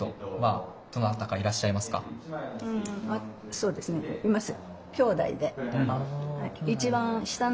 そうですねいます。